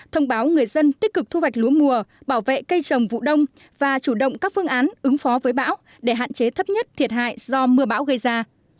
thông báo người dân tích cực thu hoạch lúa mùa bảo vệ cây trồng vụ đông và chủ động các phương án ứng phó với bão để hạn chế thấp nhất thiệt hại do mưa bão gây ra